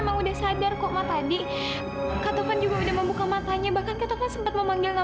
sampai jumpa di video selanjutnya